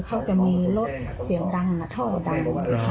เขาจะมีรถเสียงดังท่อดัง